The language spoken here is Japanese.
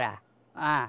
ああ。